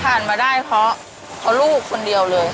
ผ่านมาได้เพราะลูกคนเดียวเลยค่ะ